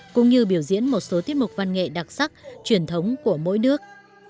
cũng như biểu diễn một số tiết mục văn nghệ đặc sắc truyền thống của mỗi nước